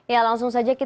ya langsung saja